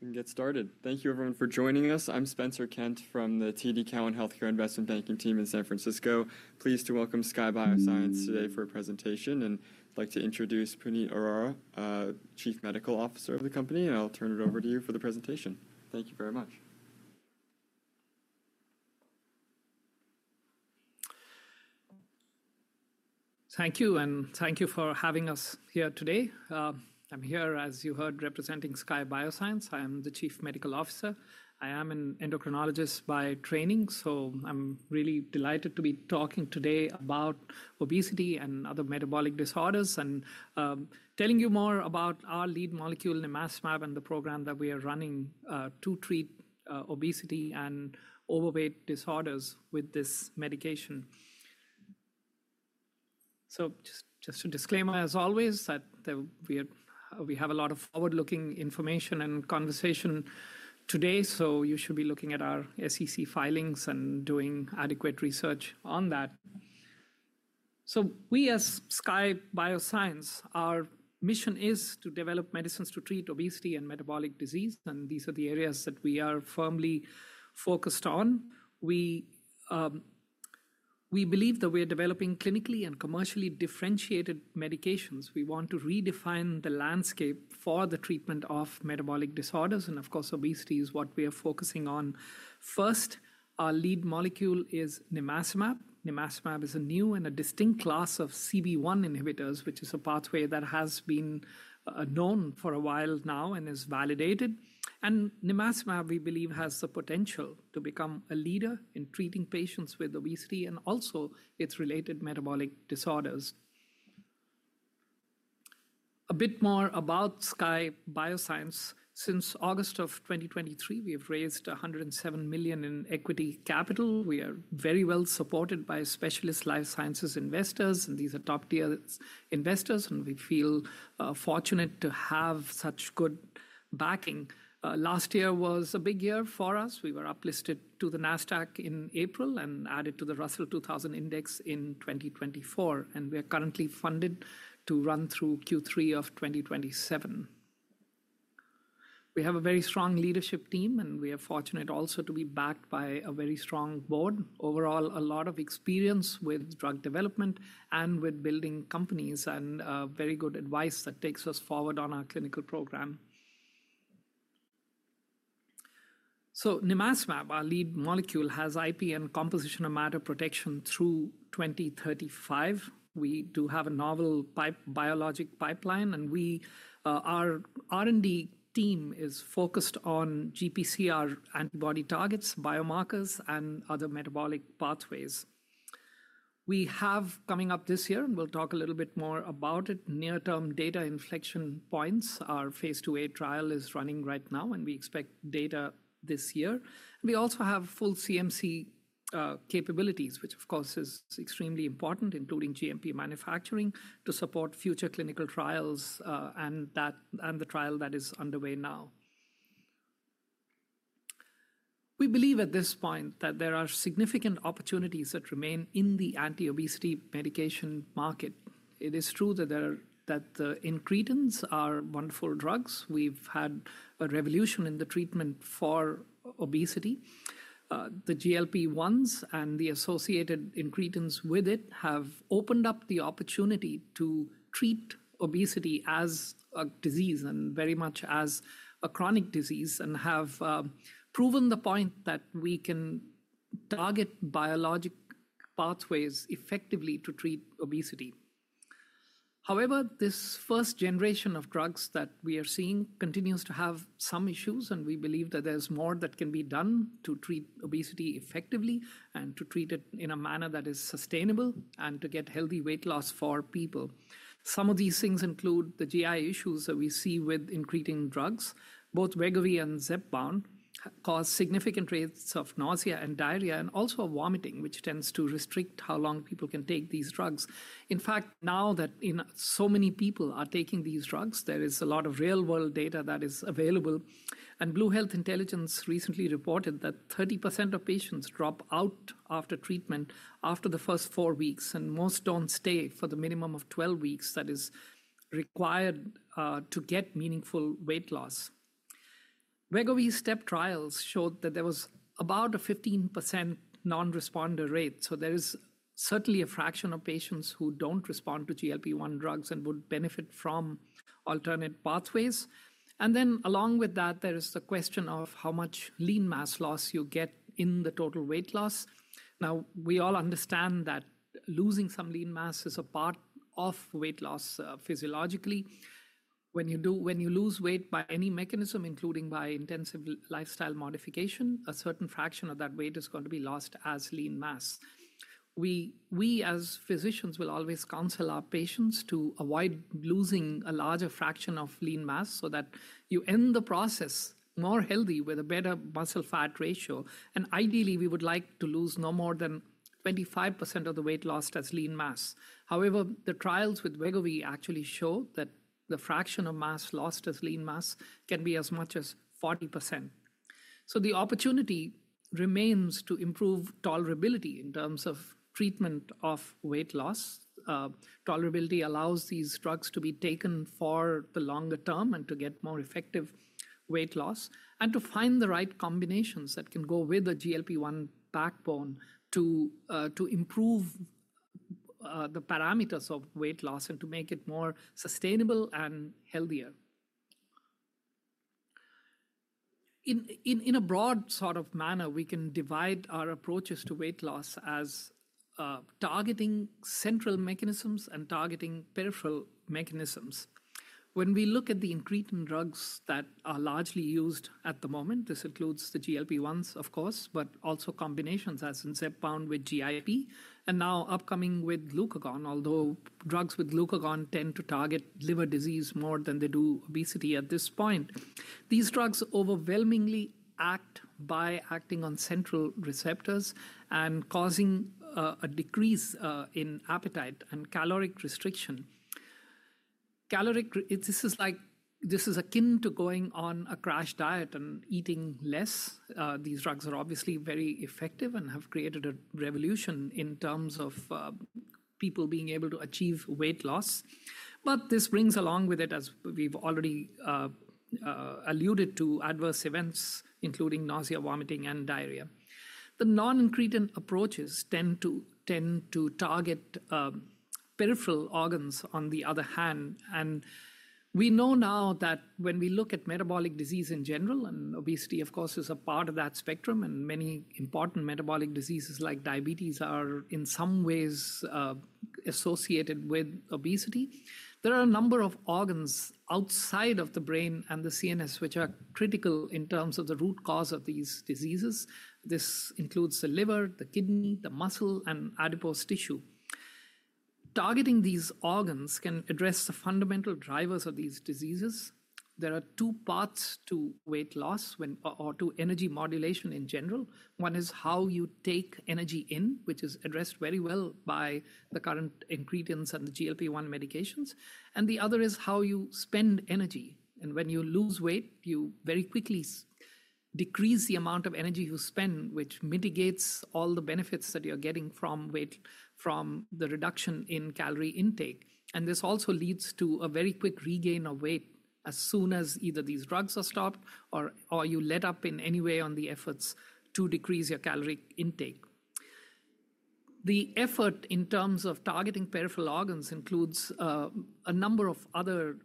We can get started. Thank you, everyone, for joining us. I'm Spencer Kent from the TD Cowen Healthcare Investment Banking team in San Francisco. Pleased to welcome Skye Bioscience today for a presentation, and I'd like to introduce Puneet Arora, Chief Medical Officer of the company, and I'll turn it over to you for the presentation. Thank you very much. Thank you, and thank you for having us here today. I'm here, as you heard, representing Skye Bioscience. I am the Chief Medical Officer. I am an endocrinologist by training, so I'm really delighted to be talking today about obesity and other metabolic disorders and telling you more about our lead molecule, nimacimab, and the program that we are running to treat obesity and overweight disorders with this medication. Just a disclaimer, as always, that we have a lot of forward-looking information and conversation today, so you should be looking at our SEC filings and doing adequate research on that. We, as Skye Bioscience, our mission is to develop medicines to treat obesity and metabolic disease, and these are the areas that we are firmly focused on. We believe that we are developing clinically and commercially differentiated medications. We want to redefine the landscape for the treatment of metabolic disorders, and of course, obesity is what we are focusing on first. Our lead molecule is nimacimab. Nimacimab is a new and a distinct class of CB1 inhibitors, which is a pathway that has been known for a while now and is validated. Nimacimab, we believe, has the potential to become a leader in treating patients with obesity and also its related metabolic disorders. A bit more about Skye Bioscience. Since August of 2023, we have raised $107 million in equity capital. We are very well supported by specialist life sciences investors, and these are top-tier investors, and we feel fortunate to have such good backing. Last year was a big year for us. We were uplisted to the Nasdaq in April and added to the Russell 2000 Index in 2024, and we are currently funded to run through Q3 of 2027. We have a very strong leadership team, and we are fortunate also to be backed by a very strong board. Overall, a lot of experience with drug development and with building companies and very good advice that takes us forward on our clinical program. Nimacimab, our lead molecule, has IP and composition of matter protection through 2035. We do have a novel biologic pipeline, and our R&D team is focused on GPCR antibody targets, biomarkers, and other metabolic pathways. We have coming up this year, and we'll talk a little bit more about it, near-term data inflection points. Our phase IIa trial is running right now, and we expect data this year. We also have full CMC capabilities, which of course is extremely important, including GMP manufacturing, to support future clinical trials and the trial that is underway now. We believe at this point that there are significant opportunities that remain in the anti-obesity medication market. It is true that the incretins are wonderful drugs. We've had a revolution in the treatment for obesity. The GLP-1s and the associated incretins with it have opened up the opportunity to treat obesity as a disease and very much as a chronic disease and have proven the point that we can target biologic pathways effectively to treat obesity. However, this first generation of drugs that we are seeing continues to have some issues, and we believe that there's more that can be done to treat obesity effectively and to treat it in a manner that is sustainable and to get healthy weight loss for people. Some of these things include the GI issues that we see with incretin drugs. Both Wegovy and Zepbound cause significant rates of nausea and diarrhea and also vomiting, which tends to restrict how long people can take these drugs. In fact, now that so many people are taking these drugs, there is a lot of real-world data that is available, and Blue Health Intelligence recently reported that 30% of patients drop out after treatment after the first four weeks, and most don't stay for the minimum of 12 weeks that is required to get meaningful weight loss. Wegovy's STEP trials showed that there was about a 15% non-responder rate, so there is certainly a fraction of patients who don't respond to GLP-1 drugs and would benefit from alternate pathways. Along with that, there is the question of how much lean mass loss you get in the total weight loss. We all understand that losing some lean mass is a part of weight loss physiologically. When you lose weight by any mechanism, including by intensive lifestyle modification, a certain fraction of that weight is going to be lost as lean mass. We, as physicians, will always counsel our patients to avoid losing a larger fraction of lean mass so that you end the process more healthy with a better muscle fat ratio. Ideally, we would like to lose no more than 25% of the weight lost as lean mass. However, the trials with Wegovy actually show that the fraction of mass lost as lean mass can be as much as 40%. The opportunity remains to improve tolerability in terms of treatment of weight loss. Tolerability allows these drugs to be taken for the longer term and to get more effective weight loss and to find the right combinations that can go with the GLP-1 backbone to improve the parameters of weight loss and to make it more sustainable and healthier. In a broad sort of manner, we can divide our approaches to weight loss as targeting central mechanisms and targeting peripheral mechanisms. When we look at the incretin drugs that are largely used at the moment, this includes the GLP-1s, of course, but also combinations as in Zepbound with GIP and now upcoming with glucagon, although drugs with glucagon tend to target liver disease more than they do obesity at this point. These drugs overwhelmingly act by acting on central receptors and causing a decrease in appetite and caloric restriction. This is like akin to going on a crash diet and eating less. These drugs are obviously very effective and have created a revolution in terms of people being able to achieve weight loss. This brings along with it, as we've already alluded to, adverse events, including nausea, vomiting, and diarrhea. The non-incretin approaches tend to target peripheral organs, on the other hand. We know now that when we look at metabolic disease in general, and obesity, of course, is a part of that spectrum, and many important metabolic diseases like diabetes are in some ways associated with obesity, there are a number of organs outside of the brain and the CNS which are critical in terms of the root cause of these diseases. This includes the liver, the kidney, the muscle, and adipose tissue. Targeting these organs can address the fundamental drivers of these diseases. There are two paths to weight loss or to energy modulation in general. One is how you take energy in, which is addressed very well by the current incretins and the GLP-1 medications. The other is how you spend energy. When you lose weight, you very quickly decrease the amount of energy you spend, which mitigates all the benefits that you're getting from the reduction in calorie intake. This also leads to a very quick regain of weight as soon as either these drugs are stopped or you let up in any way on the efforts to decrease your calorie intake. The effort in terms of targeting peripheral organs includes a number of other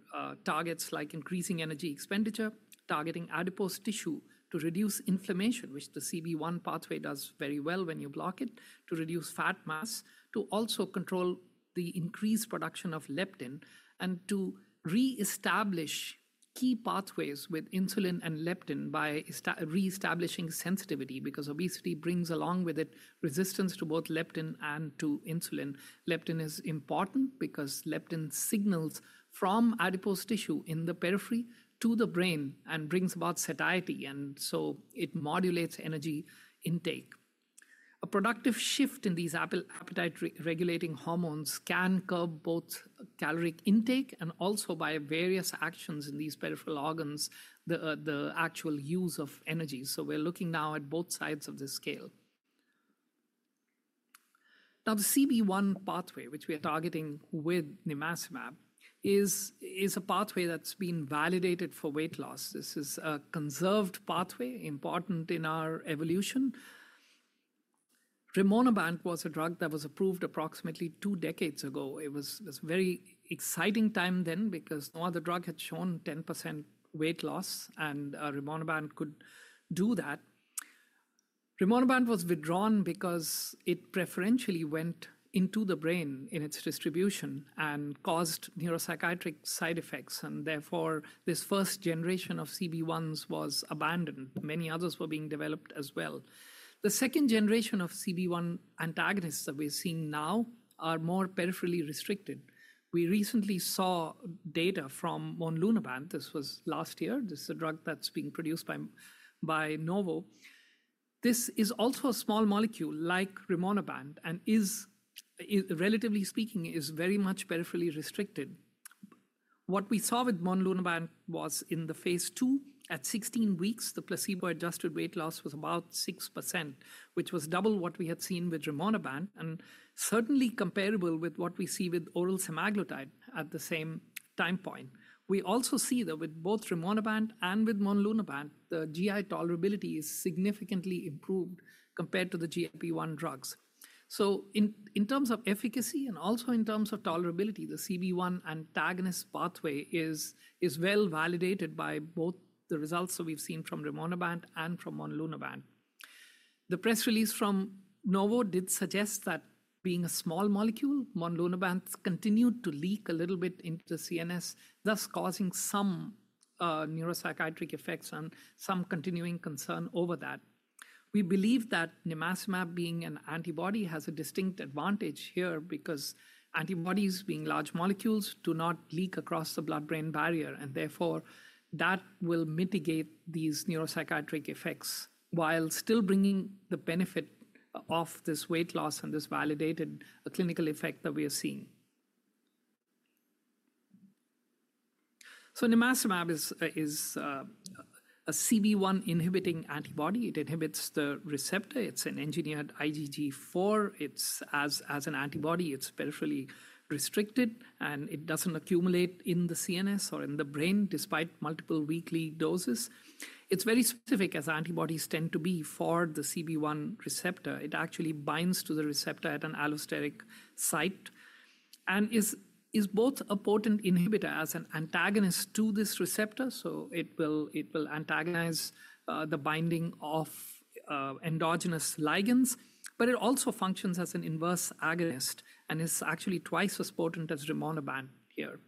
targets like increasing energy expenditure, targeting adipose tissue to reduce inflammation, which the CB1 pathway does very well when you block it, to reduce fat mass, to also control the increased production of leptin, and to reestablish key pathways with insulin and leptin by reestablishing sensitivity because obesity brings along with it resistance to both leptin and to insulin. Leptin is important because leptin signals from adipose tissue in the periphery to the brain and brings about satiety, and so it modulates energy intake. A productive shift in these appetite-regulating hormones can curb both calorie intake and also, by various actions in these peripheral organs, the actual use of energy. We are looking now at both sides of the scale. Now, the CB1 pathway, which we are targeting with nimacimab, is a pathway that's been validated for weight loss. This is a conserved pathway, important in our evolution. Rimonabant was a drug that was approved approximately two decades ago. It was a very exciting time then because no other drug had shown 10% weight loss, and rimonabant could do that. Rimonabant was withdrawn because it preferentially went into the brain in its distribution and caused neuropsychiatric side effects, and therefore this first generation of CB1s was abandoned. Many others were being developed as well. The second generation of CB1 antagonists that we're seeing now are more peripherally restricted. We recently saw data from monlunabant. This was last year. This is a drug that's being produced by Novo Nordisk. This is also a small molecule like rimonabant and, relatively speaking, is very much peripherally restricted. What we saw with monlunabant was in the phase II, at 16 weeks, the placebo-adjusted weight loss was about 6%, which was double what we had seen with rimonabant and certainly comparable with what we see with oral semaglutide at the same time point. We also see that with both rimonabant and with monlunabant, the GI tolerability is significantly improved compared to the GLP-1 drugs. In terms of efficacy and also in terms of tolerability, the CB1 antagonist pathway is well validated by both the results that we've seen from rimonabant and from monlunabant. The press release from Novo did suggest that being a small molecule, monlunabant continued to leak a little bit into the CNS, thus causing some neuropsychiatric effects and some continuing concern over that. We believe that nimacimab, being an antibody, has a distinct advantage here because antibodies, being large molecules, do not leak across the blood-brain barrier, and therefore that will mitigate these neuropsychiatric effects while still bringing the benefit of this weight loss and this validated clinical effect that we are seeing. Nimacimab is a CB1-inhibiting antibody. It inhibits the receptor. It's an engineered IgG4. As an antibody, it's peripherally restricted, and it doesn't accumulate in the CNS or in the brain despite multiple weekly doses. It's very specific, as antibodies tend to be, for the CB1 receptor. It actually binds to the receptor at an allosteric site and is both a potent inhibitor as an antagonist to this receptor, so it will antagonize the binding of endogenous ligands, but it also functions as an inverse agonist and is actually twice as potent as rimonabant here.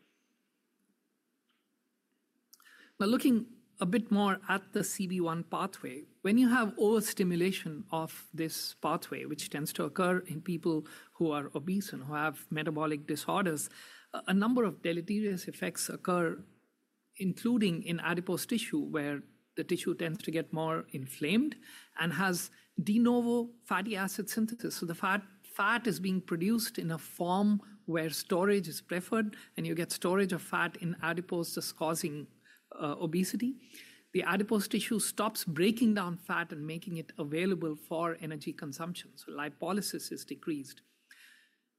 Now, looking a bit more at the CB1 pathway, when you have overstimulation of this pathway, which tends to occur in people who are obese and who have metabolic disorders, a number of deleterious effects occur, including in adipose tissue, where the tissue tends to get more inflamed and has de novo fatty acid synthesis. The fat is being produced in a form where storage is preferred, and you get storage of fat in adipose that's causing obesity. The adipose tissue stops breaking down fat and making it available for energy consumption, so lipolysis is decreased.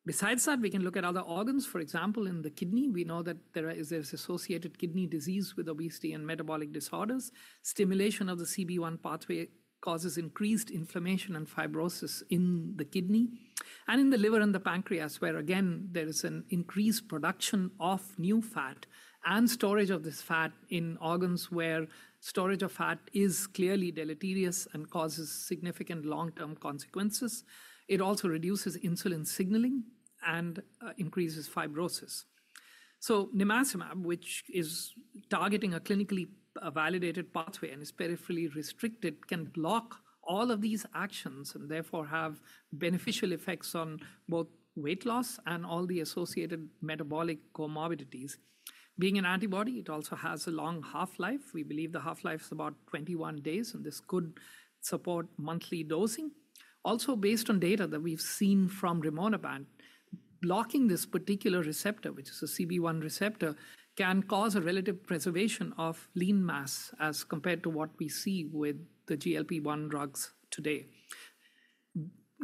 Besides that, we can look at other organs. For example, in the kidney, we know that there is associated kidney disease with obesity and metabolic disorders. Stimulation of the CB1 pathway causes increased inflammation and fibrosis in the kidney and in the liver and the pancreas, where, again, there is an increased production of new fat and storage of this fat in organs where storage of fat is clearly deleterious and causes significant long-term consequences. It also reduces insulin signaling and increases fibrosis. Nimacimab, which is targeting a clinically validated pathway and is peripherally restricted, can block all of these actions and therefore have beneficial effects on both weight loss and all the associated metabolic comorbidities. Being an antibody, it also has a long half-life. We believe the half-life is about 21 days, and this could support monthly dosing. Also, based on data that we've seen from rimonabant, blocking this particular receptor, which is a CB1 receptor, can cause a relative preservation of lean mass as compared to what we see with the GLP-1 drugs today.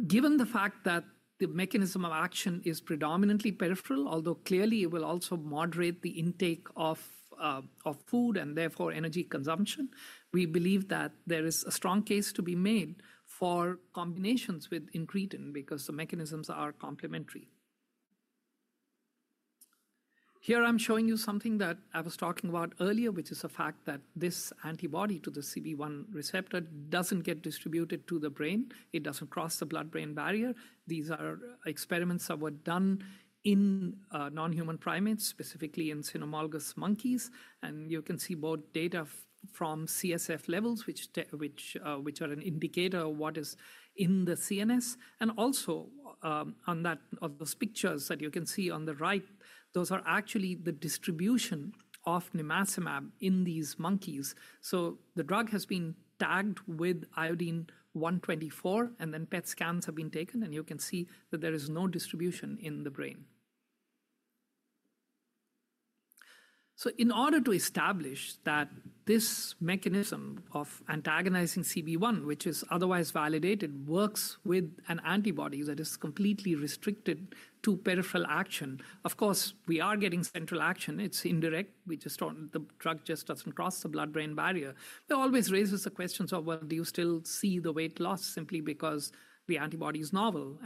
Given the fact that the mechanism of action is predominantly peripheral, although clearly it will also moderate the intake of food and therefore energy consumption, we believe that there is a strong case to be made for combinations with incretin because the mechanisms are complementary. Here I'm showing you something that I was talking about earlier, which is the fact that this antibody to the CB1 receptor doesn't get distributed to the brain. It doesn't cross the blood-brain barrier. These experiments were done in non-human primates, specifically in cynomolgus monkeys, and you can see both data from CSF levels, which are an indicator of what is in the CNS. Also, on those pictures that you can see on the right, those are actually the distribution of nimacimab in these monkeys. The drug has been tagged with iodine-124, and then PET scans have been taken, and you can see that there is no distribution in the brain. In order to establish that this mechanism of antagonizing CB1, which is otherwise validated, works with an antibody that is completely restricted to peripheral action, of course, we are getting central action. It's indirect. The drug just doesn't cross the blood-brain barrier. That always raises the questions of, well, do you still see the weight loss simply because the antibody is novel?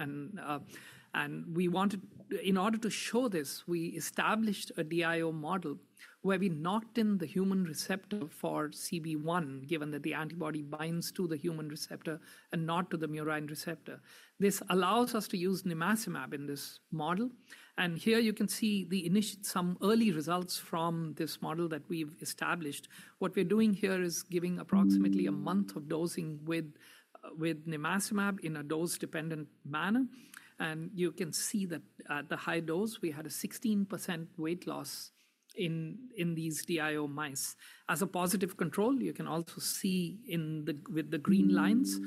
We wanted, in order to show this, we established a DIO model where we knocked in the human receptor for CB1, given that the antibody binds to the human receptor and not to the murine receptor. This allows us to use nimacimab in this model. Here you can see some early results from this model that we've established. What we're doing here is giving approximately a month of dosing with nimacimab in a dose-dependent manner. You can see that at the high dose, we had a 16% weight loss in these DIO mice. As a positive control, you can also see with the green lines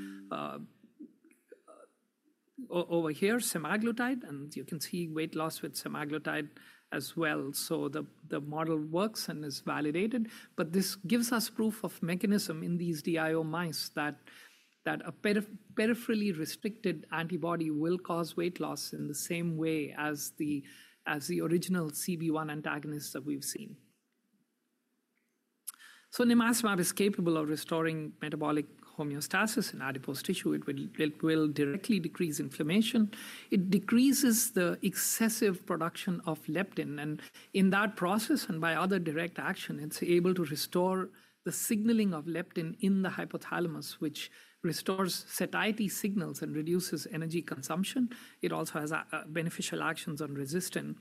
over here, semaglutide, and you can see weight loss with semaglutide as well. The model works and is validated. This gives us proof of mechanism in these DIO mice that a peripherally restricted antibody will cause weight loss in the same way as the original CB1 antagonists that we've seen. Nimacimab is capable of restoring metabolic homeostasis in adipose tissue. It will directly decrease inflammation. It decreases the excessive production of leptin. In that process and by other direct action, it's able to restore the signaling of leptin in the hypothalamus, which restores satiety signals and reduces energy consumption. It also has beneficial actions on resistance.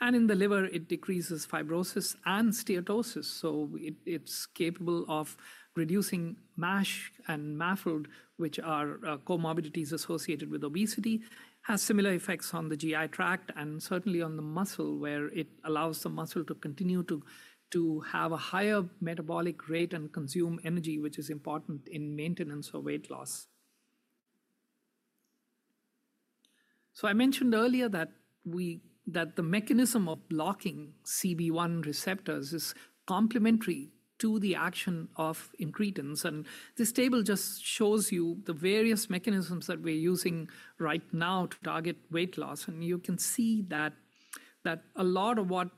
In the liver, it decreases fibrosis and steatosis. It is capable of reducing MASH and MAFLD, which are comorbidities associated with obesity, has similar effects on the GI tract and certainly on the muscle, where it allows the muscle to continue to have a higher metabolic rate and consume energy, which is important in maintenance of weight loss. I mentioned earlier that the mechanism of blocking CB1 receptors is complementary to the action of incretins. This table just shows you the various mechanisms that we're using right now to target weight loss. You can see that a lot of what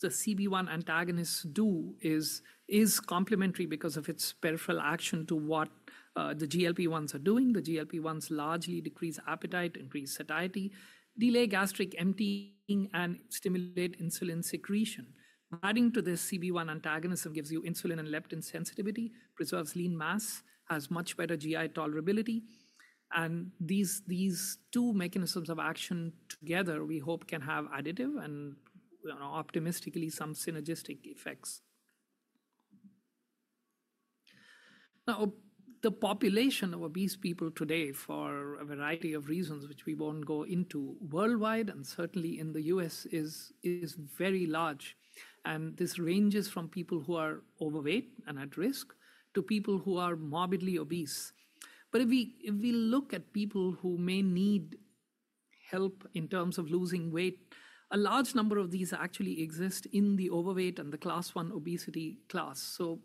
the CB1 antagonists do is complementary because of its peripheral action to what the GLP-1s are doing. The GLP-1s largely decrease appetite, increase satiety, delay gastric emptying, and stimulate insulin secretion. Adding to this CB1 antagonism gives you insulin and leptin sensitivity, preserves lean mass, has much better GI tolerability. These two mechanisms of action together, we hope, can have additive and optimistically some synergistic effects. Now, the population of obese people today, for a variety of reasons, which we will not go into, worldwide and certainly in the U.S., is very large. This ranges from people who are overweight and at risk to people who are morbidly obese. If we look at people who may need help in terms of losing weight, a large number of these actually exist in the overweight and the Class I obesity class so...